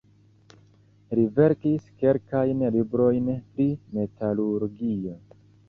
Li verkis kelkajn librojn pri metalurgio.